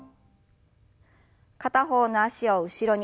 片方の脚を後ろに。